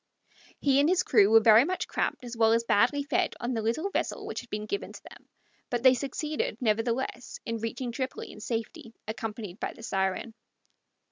He and his crew were very much cramped as well as badly fed on the little vessel which had been given to them, but they succeeded, nevertheless, in reaching Tripoli in safety, accompanied by the Siren.